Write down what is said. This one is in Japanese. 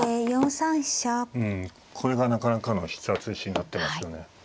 うんこれがなかなかの必殺手になってますよね。